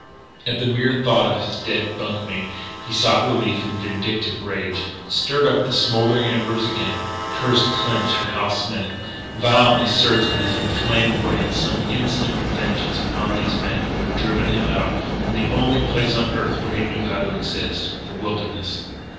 At the mere thought of his dead bunk mate he sought relief in vindictive rage stirred up the smouldering embers again, cursed Clinch and Hal Smith, violently searching in his inflamed brain some instant vengeance upon these men who had driven him out from the only place on earth where he knew how to exist the wilderness.